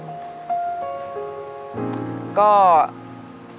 จุ่มรู้สึกยังไงครับที่มะเร็งมันกลับมาอีกครั้งหนึ่ง